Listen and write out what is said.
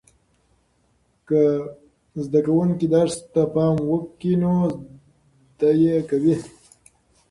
که زده کوونکي درس ته پام وکړي نو زده یې کوي.